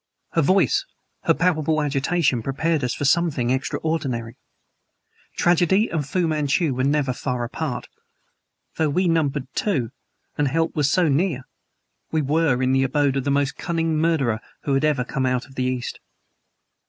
Her voice, her palpable agitation, prepared us for something extraordinary. Tragedy and Fu Manchu were never far apart. Though we were two, and help was so near, we were in the abode of the most cunning murderer who ever came out of the East.